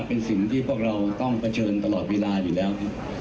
เป็นสิ่งที่พวกเราต้องเผชิญตลอดเวลาอยู่แล้วครับ